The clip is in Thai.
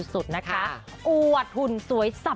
สุดนะคะอู๋อะหุ่นสวยฟรรค์